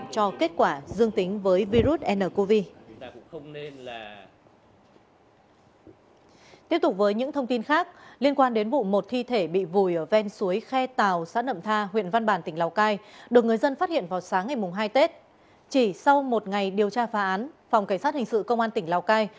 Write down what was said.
chỉ sau một ngày điều tra phá án phòng cảnh sát hình sự công an tỉnh lào cai